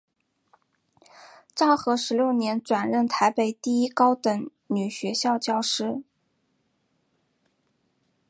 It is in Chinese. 昭和十六年转任台北第一高等女学校教师。